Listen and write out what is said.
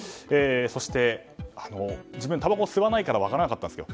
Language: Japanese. そして、自分はたばこを吸わないから分からなかったんですが